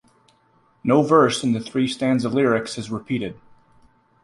No verse in the three stanza lyrics is repeated.